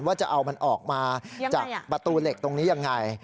ว่าจะเอามันออกมาจากประตูเหล็กตรงนี้ยังไง